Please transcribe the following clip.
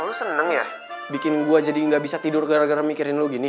lu seneng ya bikin gue jadi gak bisa tidur gara gara mikirin lo gini